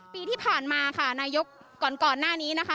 ปีที่ผ่านมาค่ะนายกก่อนหน้านี้นะคะ